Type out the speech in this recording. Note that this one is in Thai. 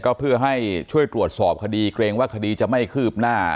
ก็เพื่อให้ช่วยตรวจสอบคดีเกรงว่าคดีจะไม่คืบหน้า